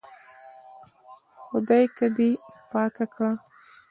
خدايکه دې پاکه کړه.